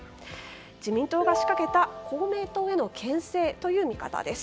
自民党が仕掛けた公明党への牽制という見方です。